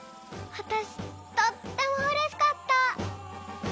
わたしとってもうれしかった。